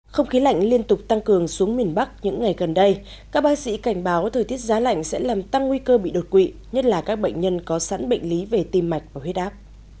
không khí lạnh liên tục tăng cường xuống miền bắc những ngày gần đây các bác sĩ cảnh báo thời tiết giá lạnh sẽ làm tăng nguy cơ bị đột quỵ nhất là các bệnh nhân có sẵn bệnh lý về tim mạch và huyết áp